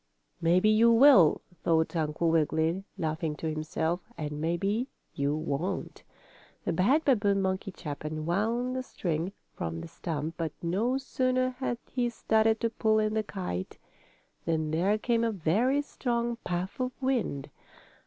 "Maybe you will," thought Uncle Wiggily, laughing to himself. "And maybe you won't." The bad babboon monkey chap unwound the string from the stump, but no sooner had he started to pull in the kite than there came a very strong puff of wind.